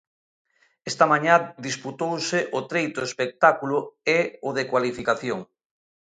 Esta mañá disputouse o treito espectáculo e o de cualificación.